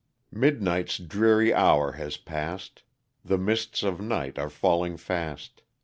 Midnight's dreary hour has past, The mists of night are falling fast.